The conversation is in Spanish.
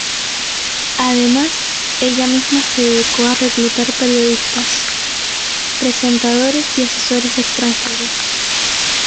Además, ella misma se dedicó a reclutar periodistas, presentadores y asesores extranjeros.